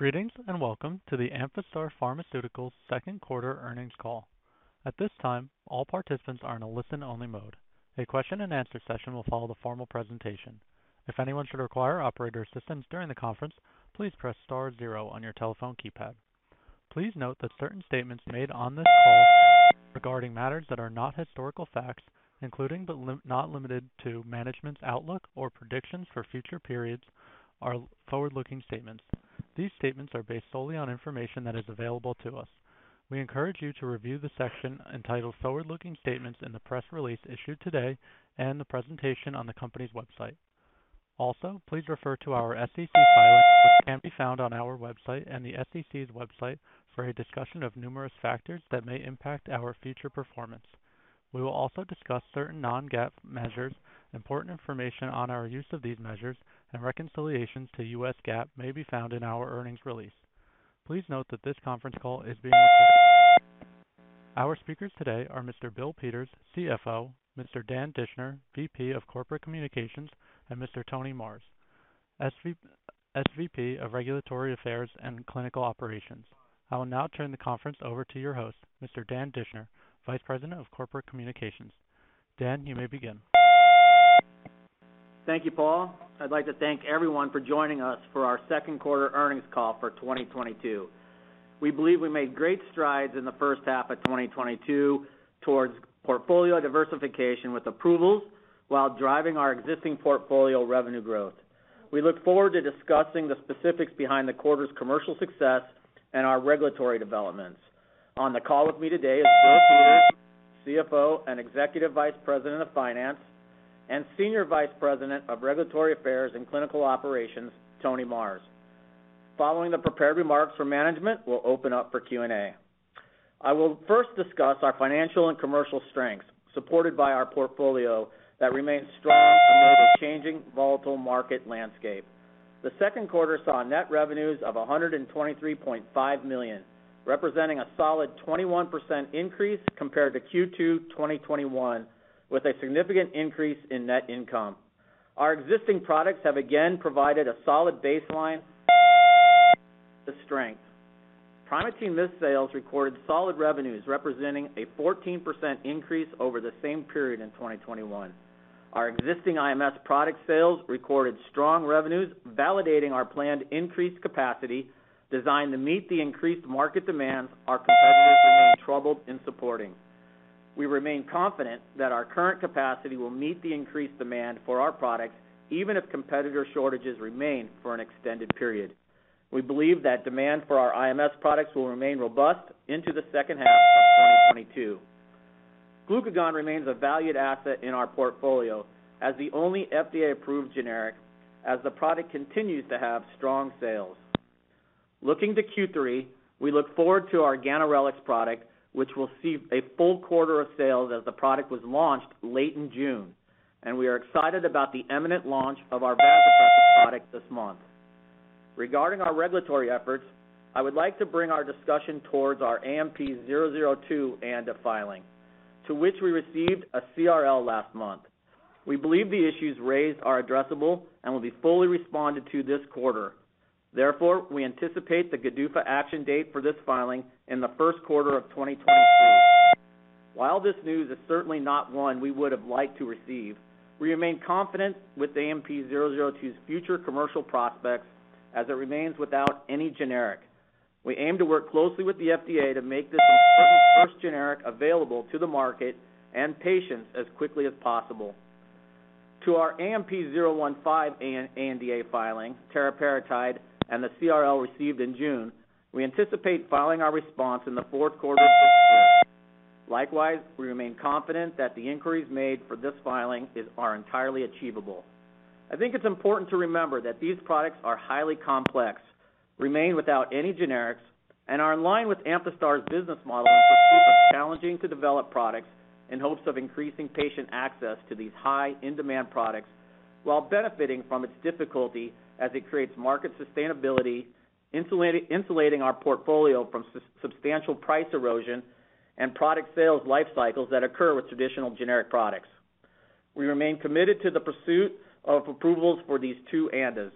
Greetings, and welcome to the Amphastar Pharmaceuticals second quarter earnings call. At this time, all participants are in a listen-only mode. A question-and-answer session will follow the formal presentation. If anyone should require operator assistance during the conference, please press star zero on your telephone keypad. Please note that certain statements made on this call regarding matters that are not historical facts, including but not limited to management's outlook or predictions for future periods, are forward-looking statements. These statements are based solely on information that is available to us. We encourage you to review the section entitled Forward-Looking Statements in the press release issued today and the presentation on the company's website. Also, please refer to our SEC filings, which can be found on our website and the SEC's website for a discussion of numerous factors that may impact our future performance. We will also discuss certain non-GAAP measures. Important information on our use of these measures and reconciliations to U.S. GAAP may be found in our earnings release. Please note that this conference call is being recorded. Our speakers today are Mr. Bill Peters, CFO, Mr. Dan Dischner, VP of Corporate Communications, and Mr. Tony Marrs, EVP of Regulatory Affairs and Clinical Operations. I will now turn the conference over to your host, Mr. Dan Dischner, Vice President of Corporate Communications. Dan, you may begin. Thank you, Paul. I'd like to thank everyone for joining us for our second quarter earnings call for 2022. We believe we made great strides in the first half of 2022 towards portfolio diversification with approvals while driving our existing portfolio revenue growth. We look forward to discussing the specifics behind the quarter's commercial success and our regulatory developments. On the call with me today is Bill Peters, CFO and Executive Vice President of Finance, and Senior Vice President of Regulatory Affairs and Clinical Operations, Tony Marrs. Following the prepared remarks from management, we'll open up for Q&A. I will first discuss our financial and commercial strengths supported by our portfolio that remains strong amid a changing volatile market landscape. The second quarter saw net revenues of $123.5 million, representing a solid 21% increase compared to Q2 2021, with a significant increase in net income. Our existing products have again provided a solid baseline. Primatene Mist sales recorded solid revenues representing a 14% increase over the same period in 2021. Our existing IMS product sales recorded strong revenues, validating our planned increased capacity designed to meet the increased market demands our competitors remain troubled in supporting. We remain confident that our current capacity will meet the increased demand for our products, even if competitor shortages remain for an extended period. We believe that demand for our IMS products will remain robust into the second half of 2022. Glucagon remains a valued asset in our portfolio as the only FDA-approved generic, as the product continues to have strong sales. Looking to Q3, we look forward to our Ganirelix product, which will see a full quarter of sales as the product was launched late in June, and we are excited about the imminent launch of our vasopressin product this month. Regarding our regulatory efforts, I would like to bring our discussion towards our AMP-002 ANDA filing, to which we received a CRL last month. We believe the issues raised are addressable and will be fully responded to this quarter. Therefore, we anticipate the GDUFA action date for this filing in the first quarter of 2023. While this news is certainly not one we would have liked to receive, we remain confident with AMP-002's future commercial prospects as it remains without any generic. We aim to work closely with the FDA to make this first generic available to the market and patients as quickly as possible. To our AMP-015 ANDA filing, Teriparatide, and the CRL received in June, we anticipate filing our response in the fourth quarter this year. Likewise, we remain confident that the inquiries made for this filing are entirely achievable. I think it's important to remember that these products are highly complex, remain without any generics, and are in line with Amphastar's business model in pursuit of challenging to develop products in hopes of increasing patient access to these high in-demand products while benefiting from its difficulty as it creates market sustainability, insulating our portfolio from substantial price erosion and product sales life cycles that occur with traditional generic products. We remain committed to the pursuit of approvals for these two ANDAs.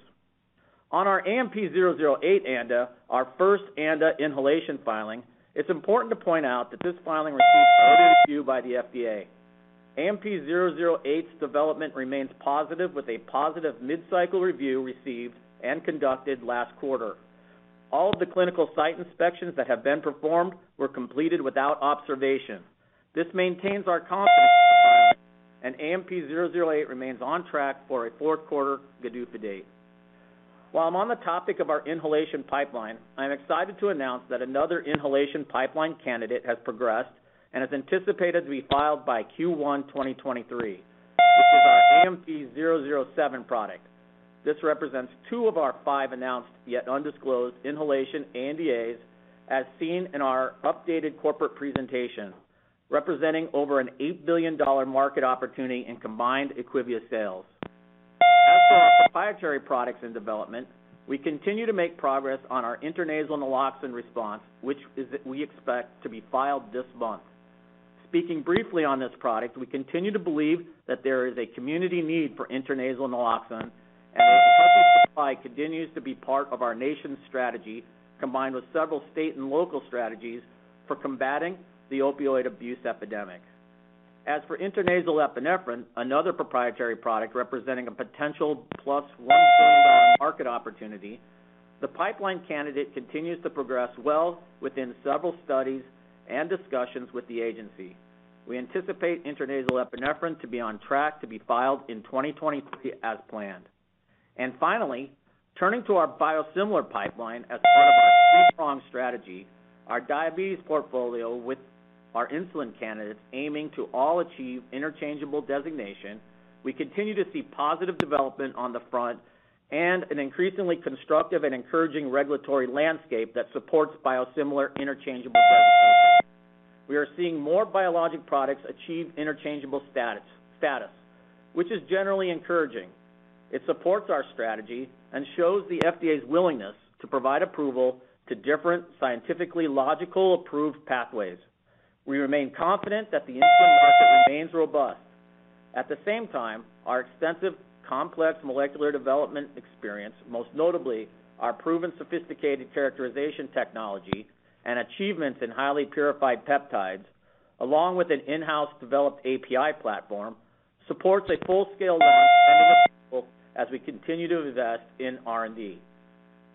On our AMP-008 ANDA, our first ANDA inhalation filing, it's important to point out that this filing received early review by the FDA. AMP-008's development remains positive with a positive mid-cycle review received and conducted last quarter. All of the clinical site inspections that have been performed were completed without observation. This maintains our confidence in the filing, and AMP-008 remains on track for a fourth quarter GDUFA date. While I'm on the topic of our inhalation pipeline, I'm excited to announce that another inhalation pipeline candidate has progressed and is anticipated to be filed by Q1 2023, which is our AMP-007 product. This represents two of our five announced yet undisclosed inhalation ANDAs, as seen in our updated corporate presentation, representing over an $8 billion market opportunity in combined IQVIA sales. As for our proprietary products in development, we continue to make progress on our intranasal naloxone, which we expect to be filed this month. Speaking briefly on this product, we continue to believe that there is a community need for intranasal naloxone, and the supply continues to be part of our nation's strategy, combined with several state and local strategies for combating the opioid abuse epidemic. As for intranasal epinephrine, another proprietary product representing a potential plus $1 billion market opportunity, the pipeline candidate continues to progress well within several studies and discussions with the agency. We anticipate intranasal epinephrine to be on track to be filed in 2023 as planned. Finally, turning to our biosimilar pipeline as part of our three-pronged strategy, our diabetes portfolio with our insulin candidates aiming to all achieve interchangeable designation, we continue to see positive development on the front and an increasingly constructive and encouraging regulatory landscape that supports biosimilar interchangeable designation. We are seeing more biologic products achieve interchangeable status, which is generally encouraging. It supports our strategy and shows the FDA's willingness to provide approval to different scientifically logical approved pathways. We remain confident that the insulin market remains robust. At the same time, our extensive complex molecular development experience, most notably our proven sophisticated characterization technology and achievements in highly purified peptides, along with an in-house developed API platform, supports a full-scale launch pending approval as we continue to invest in R&D.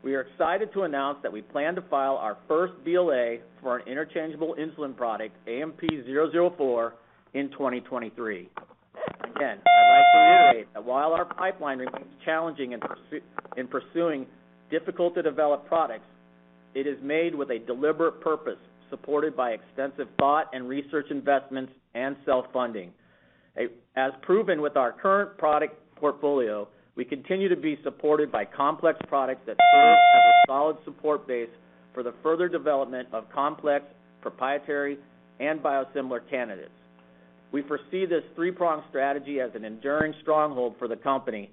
We are excited to announce that we plan to file our first BLA for an interchangeable insulin product, AMP-004, in 2023. Again, I'd like to reiterate that while our pipeline remains challenging in pursuing difficult to develop products, it is made with a deliberate purpose, supported by extensive thought and research investments and self-funding. As proven with our current product portfolio, we continue to be supported by complex products that serve as a solid support base for the further development of complex proprietary and biosimilar candidates. We foresee this three-pronged strategy as an enduring stronghold for the company,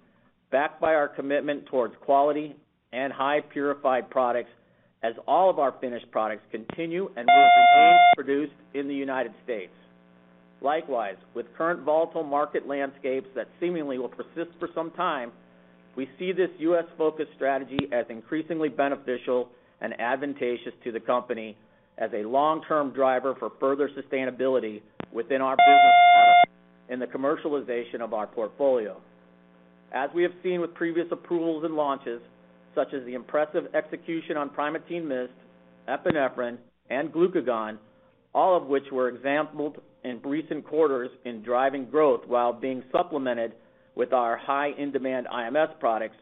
backed by our commitment towards quality and highly purified products as all of our finished products continue and will remain produced in the United States. Likewise, with current volatile market landscapes that seemingly will persist for some time, we see this US-focused strategy as increasingly beneficial and advantageous to the company as a long-term driver for further sustainability within our business model and the commercialization of our portfolio. As we have seen with previous approvals and launches, such as the impressive execution on Primatene Mist, epinephrine, and glucagon, all of which were exampled in recent quarters in driving growth while being supplemented with our high in-demand IMS products,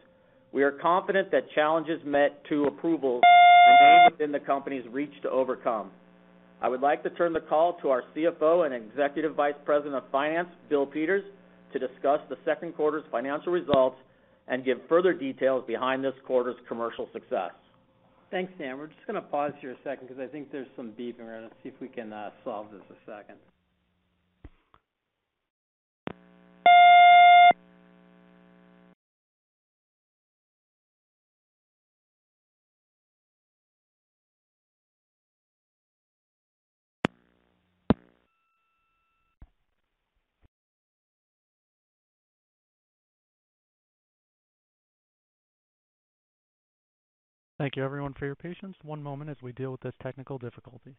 we are confident that challenges met to approval remain within the company's reach to overcome. I would like to turn the call to our CFO and Executive Vice President of Finance, Bill Peters, to discuss the second quarter's financial results and give further details behind this quarter's commercial success. Thanks, Dan. We're just gonna pause here a second because I think there's some beeping. We're gonna see if we can solve this a second. Thank you everyone for your patience. One moment as we deal with this technical difficulty.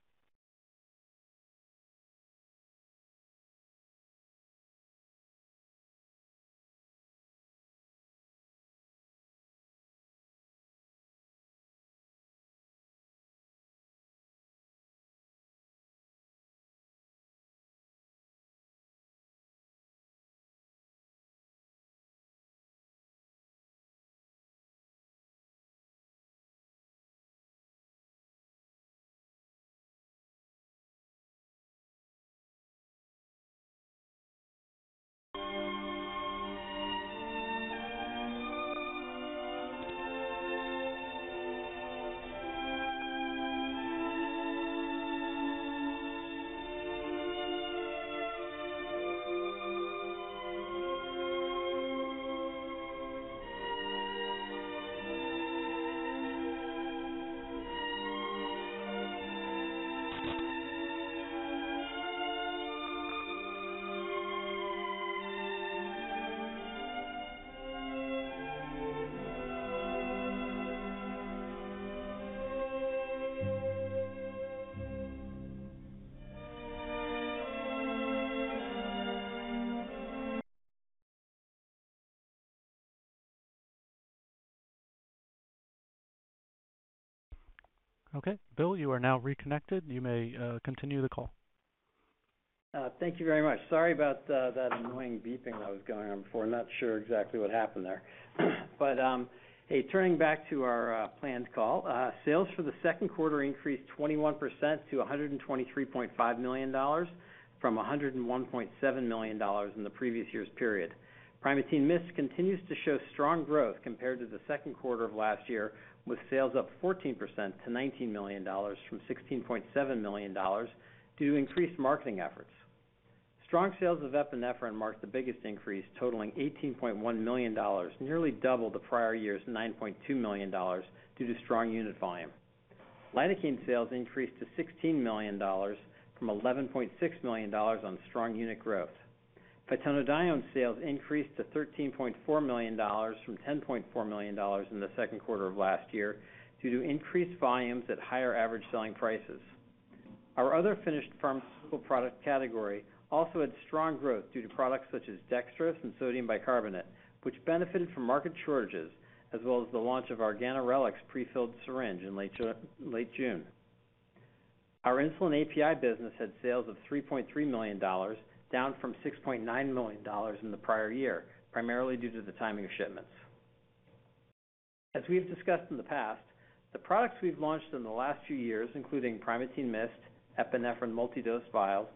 Okay, Bill, you are now reconnected. You may continue the call. Thank you very much. Sorry about that annoying beeping that was going on before. I'm not sure exactly what happened there. Turning back to our planned call. Sales for the second quarter increased 21% to $123.5 million from $101.7 million in the previous year's period. Primatene Mist continues to show strong growth compared to the second quarter of last year, with sales up 14% to $19 million from $16.7 million due to increased marketing efforts. Strong sales of epinephrine marked the biggest increase, totaling $18.1 million, nearly double the prior year's $9.2 million due to strong unit volume. Lidocaine sales increased to $16 million from $11.6 million on strong unit growth. Phytonadione sales increased to $13.4 million from $10.4 million in the second quarter of last year due to increased volumes at higher average selling prices. Our other finished pharmaceutical product category also had strong growth due to products such as dextrose and sodium bicarbonate, which benefited from market shortages, as well as the launch of our Ganirelix prefilled syringe in late June. Our insulin API business had sales of $3.3 million, down from $6.9 million in the prior year, primarily due to the timing of shipments. As we've discussed in the past, the products we've launched in the last few years, including Primatene Mist, epinephrine multi-dose vials,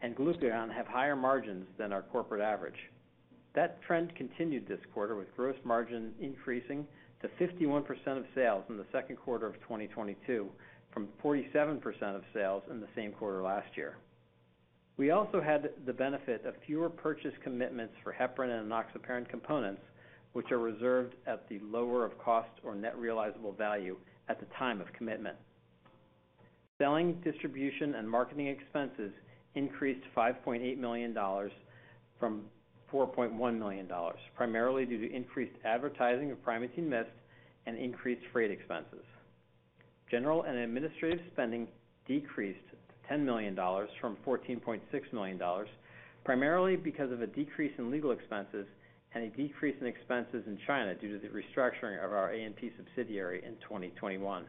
and Glucagon, have higher margins than our corporate average. That trend continued this quarter with gross margin increasing to 51% of sales in the second quarter of 2022 from 47% of sales in the same quarter last year. We also had the benefit of fewer purchase commitments for heparin and enoxaparin components, which are reserved at the lower of cost or net realizable value at the time of commitment. Selling, distribution, and marketing expenses increased $5.8 million from $4.1 million, primarily due to increased advertising of Primatene Mist and increased freight expenses. General and administrative spending decreased to $10 million from $14.6 million, primarily because of a decrease in legal expenses and a decrease in expenses in China due to the restructuring of our ANP subsidiary in 2021.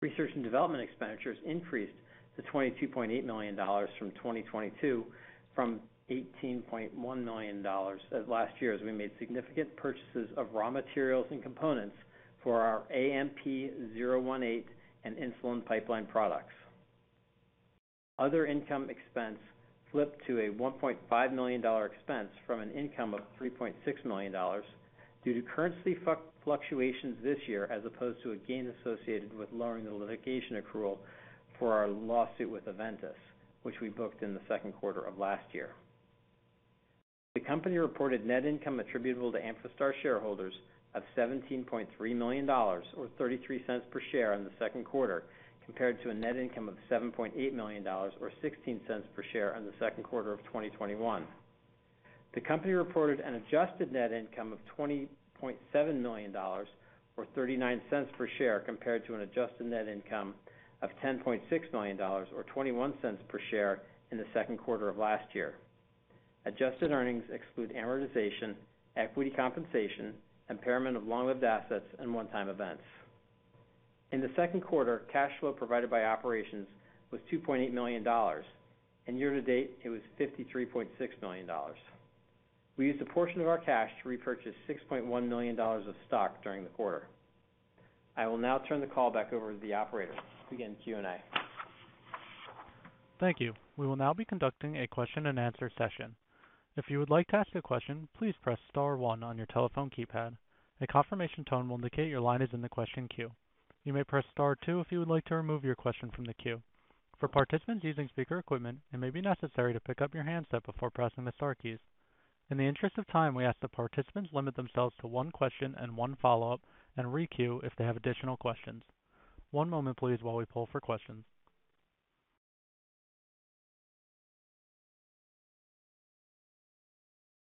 Research and development expenditures increased to $22.8 million in 2022 from $18.1 million last year as we made significant purchases of raw materials and components for our AMP-018 and insulin pipeline products. Other income expense flipped to a $1.5 million expense from an income of $3.6 million due to currency fluctuations this year as opposed to a gain associated with lowering the litigation accrual for our lawsuit with Aventis, which we booked in the second quarter of last year. The company reported net income attributable to Amphastar shareholders of $17.3 million or $0.33 per share in the second quarter compared to a net income of $7.8 million or $0.16 per share in the second quarter of 2021. The company reported an adjusted net income of $20.7 million or $0.39 per share compared to an adjusted net income of $10.6 million or $0.21 per share in the second quarter of last year. Adjusted earnings exclude amortization, equity compensation, impairment of long-lived assets, and one-time events. In the second quarter, cash flow provided by operations was $2.8 million, and year to date, it was $53.6 million. We used a portion of our cash to repurchase $6.1 million of stock during the quarter. I will now turn the call back over to the operator to begin Q&A. Thank you. We will now be conducting a question and answer session. If you would like to ask a question, please press star one on your telephone keypad. A confirmation tone will indicate your line is in the question queue. You may press star two if you would like to remove your question from the queue. For participants using speaker equipment, it may be necessary to pick up your handset before pressing the star keys. In the interest of time, we ask that participants limit themselves to one question and one follow-up and re-queue if they have additional questions. One moment please while we poll for questions.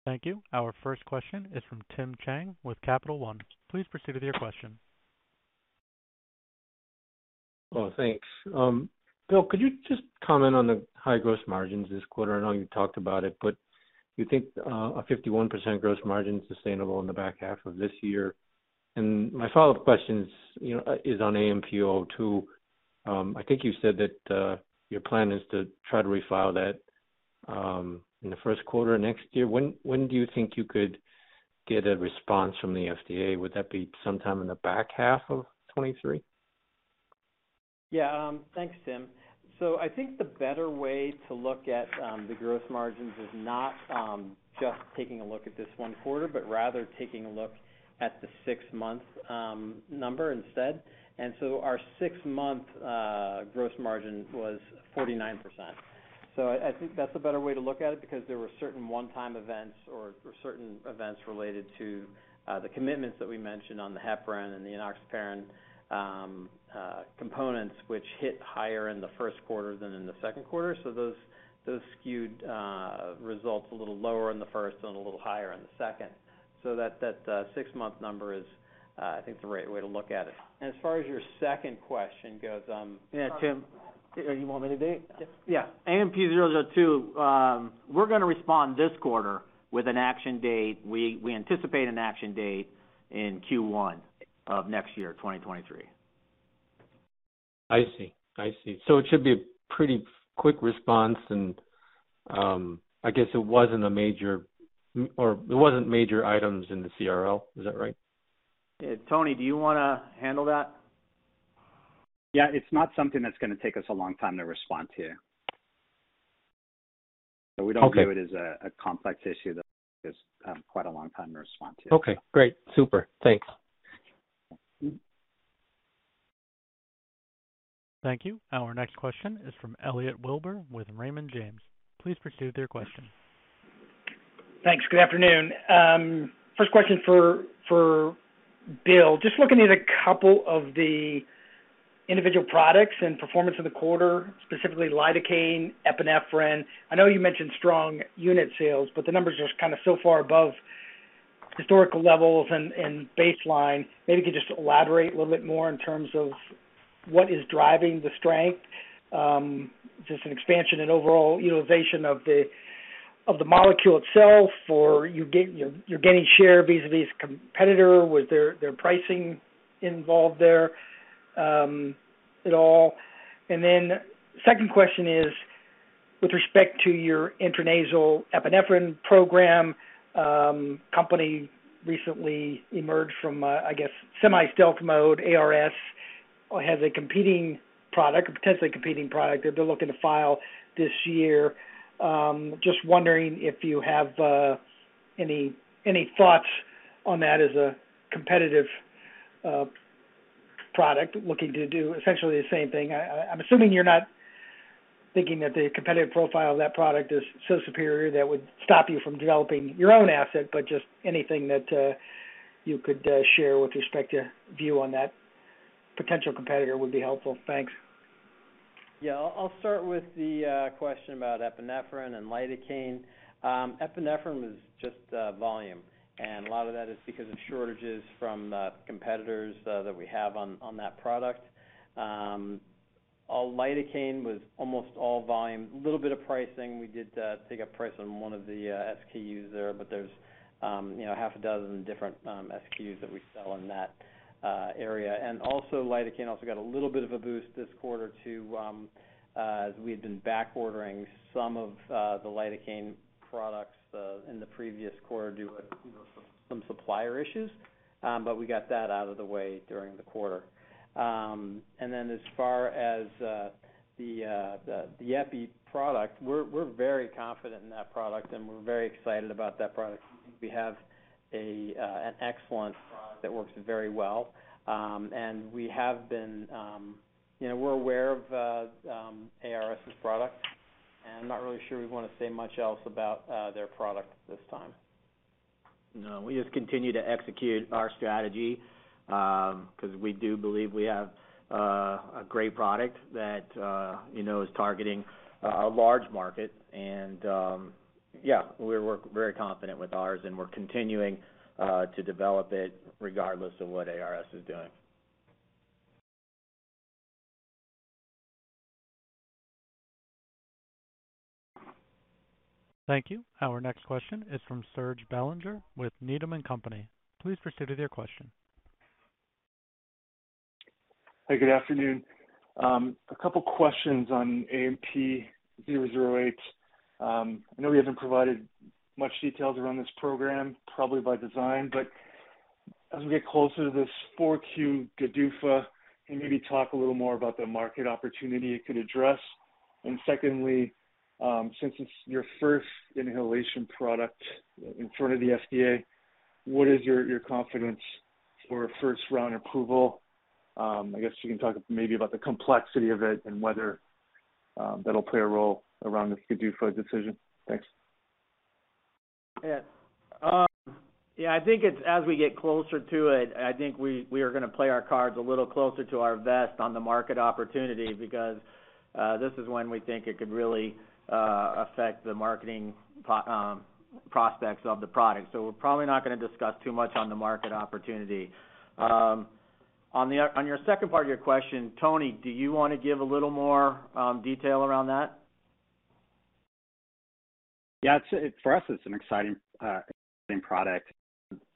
Thank you. Our first question is from Tim Chiang with Capital One. Please proceed with your question. Oh, thanks. Bill, could you just comment on the high gross margins this quarter? I know you talked about it, but do you think a 51% gross margin is sustainable in the back half of this year? My follow-up question is on AMP-002. I think you said that your plan is to try to refile that in the first quarter next year. When do you think you could get a response from the FDA? Would that be sometime in the back half of 2023? Yeah. Thanks, Tim. I think the better way to look at the gross margins is not just taking a look at this one quarter, but rather taking a look at the six-month number instead. Our six-month gross margin was 49%. I think that's a better way to look at it because there were certain one-time events or certain events related to the commitments that we mentioned on the heparin and the enoxaparin components which hit higher in the first quarter than in the second quarter. Those skewed results a little lower in the first and a little higher in the second. That six-month number is, I think, the right way to look at it. As far as your second question goes, Yeah. Tim, you want me to do it? Yes. Yeah. AMP-002, we're gonna respond this quarter with an action date. We anticipate an action date in Q1 of next year, 2023. I see. It should be a pretty quick response and, I guess it wasn't major items in the CRL. Is that right? Tony, do you wanna handle that? Yeah. It's not something that's gonna take us a long time to respond to. Okay. We don't view it as a complex issue that takes quite a long time to respond to. Okay, great. Super. Thanks. Thank you. Our next question is from Elliot Wilbur with Raymond James. Please proceed with your question. Thanks. Good afternoon. First question for Bill. Just looking at a couple of the individual products and performance of the quarter, specifically Lidocaine, epinephrine. I know you mentioned strong unit sales, but the numbers are just kinda so far above historical levels and baseline. Maybe you could just elaborate a little bit more in terms of what is driving the strength. Just an expansion in overall utilization of the molecule itself, or you're getting share vis-a-vis competitor, was there pricing involved there at all? Then second question is with respect to your intranasal epinephrine program, company recently emerged from, I guess semi-stealth mode, ARS has a competing product, a potentially competing product that they're looking to file this year. Just wondering if you have any thoughts on that as a competitive product looking to do essentially the same thing. I'm assuming you're not thinking that the competitive profile of that product is so superior that would stop you from developing your own asset, but just anything that you could share with respect to view on that potential competitor would be helpful. Thanks. Yeah. I'll start with the question about epinephrine and lidocaine. Epinephrine was just volume, and a lot of that is because of shortages from competitors that we have on that product. Lidocaine was almost all volume. A little bit of pricing. We did take a price on one of the SKUs there, but there's you know, half a dozen different SKUs that we sell in that area. Also, lidocaine also got a little bit of a boost this quarter as we had been back ordering some of the lidocaine products in the previous quarter due to you know, some supplier issues, but we got that out of the way during the quarter. As far as the epi product, we're very confident in that product and we're very excited about that product. We have an excellent product that works very well. We have been, you know, we're aware of ARS's product, and I'm not really sure we want to say much else about their product this time. No, we just continue to execute our strategy, because we do believe we have a great product that you know is targeting a large market. Yeah, we're very confident with ours, and we're continuing to develop it regardless of what ARS is doing. Thank you. Our next question is from Serge Belanger with Needham & Company. Please proceed with your question. Hey, good afternoon. A couple questions on AMP-008. I know we haven't provided much details around this program, probably by design, but as we get closer to this 4Q GDUFA, can you maybe talk a little more about the market opportunity it could address? Secondly, since it's your first inhalation product in front of the FDA, what is your confidence for a first-round approval? I guess you can talk maybe about the complexity of it and whether that'll play a role around the GDUFA decision. Thanks. Yeah. Yeah, I think it's as we get closer to it, I think we are gonna play our cards a little closer to our vest on the market opportunity because this is when we think it could really affect the marketing prospects of the product. We're probably not gonna discuss too much on the market opportunity. On your second part of your question, Tony, do you wanna give a little more detail around that? For us, it's an exciting product.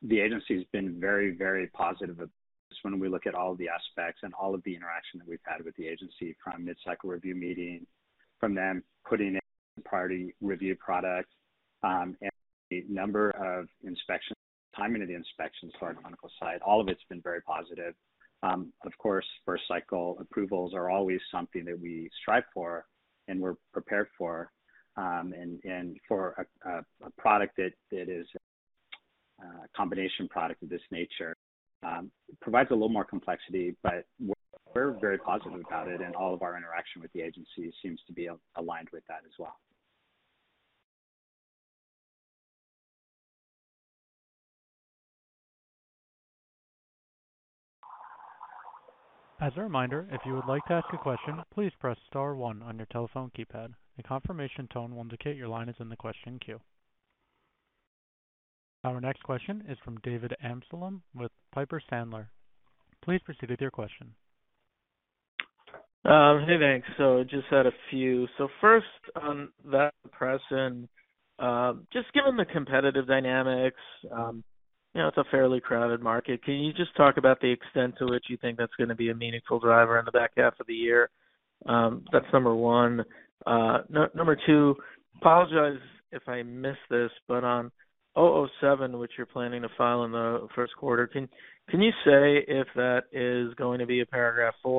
The agency has been very positive about this when we look at all the aspects and all of the interaction that we've had with the agency from mid-cycle review meeting, from them putting it in priority review product, and the number of inspections, timing of the inspections to our clinical site, all of it's been very positive. Of course, first cycle approvals are always something that we strive for and we're prepared for. For a product that is a combination product of this nature, provides a little more complexity, but we're very positive about it and all of our interaction with the agency seems to be aligned with that as well. As a reminder, if you would like to ask a question, please press star one on your telephone keypad. A confirmation tone will indicate your line is in the question queue. Our next question is from David Amsellem with Piper Sandler. Please proceed with your question. Hey, thanks. Just had a few. First on that impression, just given the competitive dynamics, you know, it's a fairly crowded market. Can you just talk about the extent to which you think that's gonna be a meaningful driver in the back half of the year? That's number one. Number two, apologize if I missed this, but on AMP-007, which you're planning to file in the first quarter, can you say if that is going to be a Paragraph IV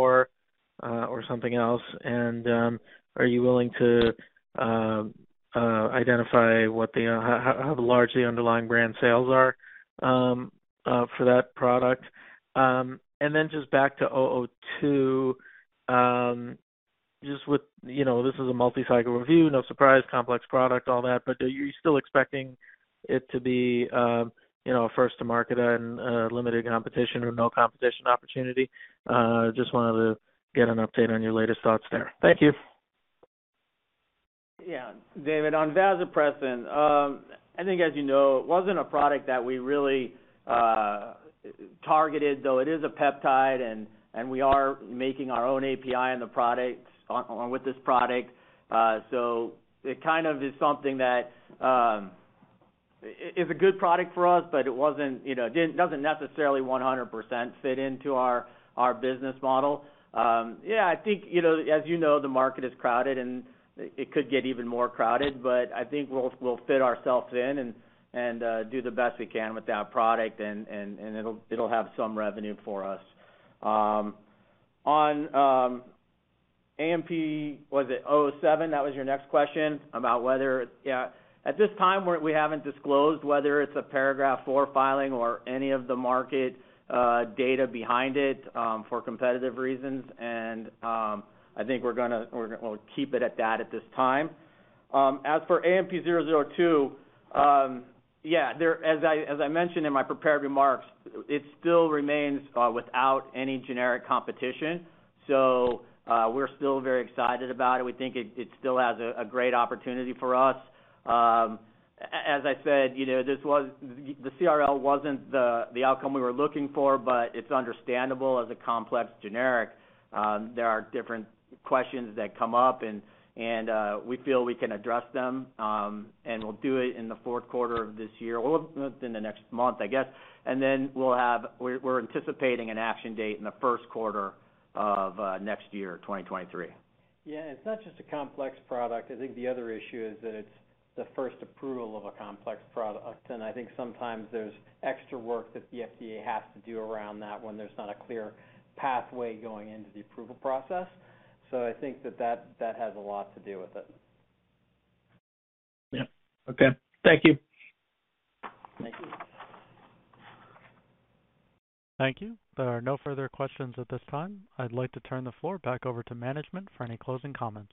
or something else? Are you willing to identify how large the underlying brand sales are for that product. And then just back to AMP-002, just with, you know, this is a multi-cycle review, no surprise, complex product, all that. Are you still expecting it to be, you know, a first to market and, limited competition or no competition opportunity? Just wanted to get an update on your latest thoughts there. Thank you. Yeah. David, on vasopressin, I think as you know, it wasn't a product that we really targeted, though it is a peptide, and we are making our own API in the product with this product. So it kind of is something that is a good product for us, but it wasn't, you know, doesn't necessarily 100% fit into our business model. Yeah, I think, you know, as you know, the market is crowded and it could get even more crowded, but I think we'll fit ourselves in and do the best we can with that product and it'll have some revenue for us. On ANP, was it AMP-007? That was your next question about whether. Yeah. At this time, we haven't disclosed whether it's a Paragraph IV filing or any of the market data behind it for competitive reasons. I think we're gonna keep it at that at this time. As for AMP-002, as I mentioned in my prepared remarks, it still remains without any generic competition. We're still very excited about it. We think it still has a great opportunity for us. As I said, you know, the CRL wasn't the outcome we were looking for, but it's understandable. As a complex generic, there are different questions that come up and we feel we can address them. We'll do it in the fourth quarter of this year or within the next month, I guess. We're anticipating an action date in the first quarter of next year, 2023. Yeah. It's not just a complex product. I think the other issue is that it's the first approval of a complex product. I think sometimes there's extra work that the FDA has to do around that when there's not a clear pathway going into the approval process. I think that has a lot to do with it. Yeah. Okay. Thank you. Thank you. Thank you. There are no further questions at this time. I'd like to turn the floor back over to management for any closing comments.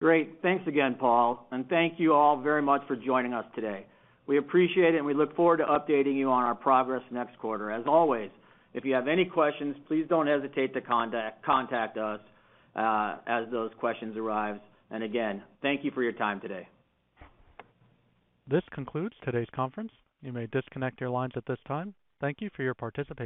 Great. Thanks again, Paul. Thank you all very much for joining us today. We appreciate it and we look forward to updating you on our progress next quarter. As always, if you have any questions, please don't hesitate to contact us as those questions arise. Again, thank you for your time today. This concludes today's conference. You may disconnect your lines at this time. Thank you for your participation.